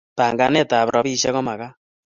Panganet ab ropishek komakat